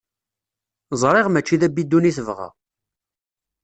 Ẓriɣ mačči d abidun i tebɣa.